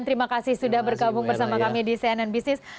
terima kasih sudah bergabung bersama kami di cnn business